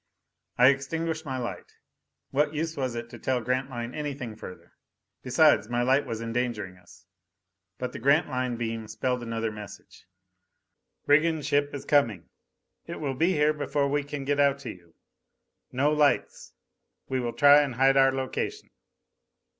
_ I extinguished my light. What use was it to tell Grantline anything further? Besides, my light was endangering us. But the Grantline beam spelled another message: _Brigand ship is coming. It will be here before we can get out to you. No lights. We will try and hide our location.